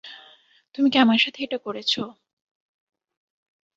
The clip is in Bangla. তুমি কি আমার সাথে এটা করেছ?